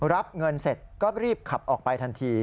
รับเงินเสร็จก็รีบขับออกไปทันที